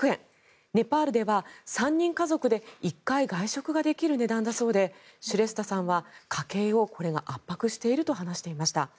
ネパールでは３人家族で１回外食ができる値段だそうでシュレスタさんは家計を、これが圧迫していると話していました。